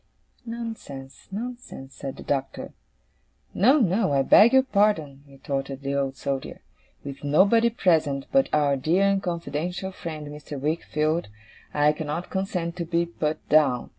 'Nonsense, nonsense,' said the Doctor. 'No, no, I beg your pardon,' retorted the Old Soldier. 'With nobody present, but our dear and confidential friend Mr. Wickfield, I cannot consent to be put down.